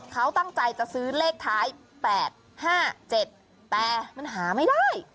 เขาตั้งใจจะซื้อเลขท้าย๘๕๗แต่มันหาไม่ได้